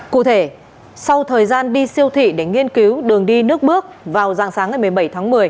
cụ thể sau thời gian đi siêu thị để nghiên cứu đường đi nước bước vào dạng sáng ngày một mươi bảy tháng một mươi